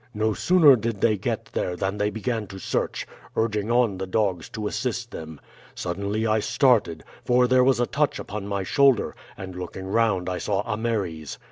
No sooner did they get there than they began to search, urging on the dogs to assist them. Suddenly I started, for there was a touch upon my shoulder, and looking round I saw Ameres.